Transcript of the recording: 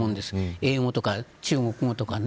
英語とか中国語とか。